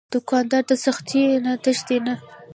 دوکاندار د سختیو نه تښتي نه.